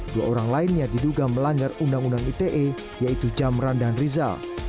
dua orang lainnya diduga melanggar undang undang ite yaitu jamran dan rizal